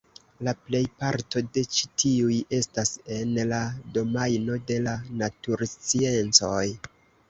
La plejparto de ĉi tiuj estas en la domajno de la natursciencoj.